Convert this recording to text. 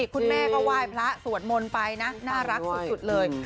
คุณแม่ก็ไหว้พระสวดมนต์ไปนะน่ารักสุดเลย